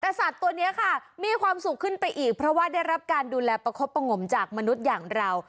แต่สัตว์ตัวนี้ค่ะมีความสุขขึ้นไปอีกเพราะว่าได้รับการดูแลประคบประงมจากมนุษย์อย่างเรา